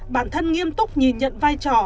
bản thân nghiêm túc nhìn nhận vai trò